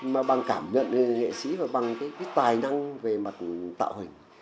mà bằng cảm nhận về nghệ sĩ và bằng cái tài năng về mặt tạo hình